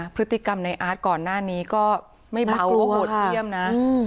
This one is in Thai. พฤติกรรมในอาร์ตก่อนหน้านี้ก็ไม่เบาหรือว่าโหดเยี่ยมนะ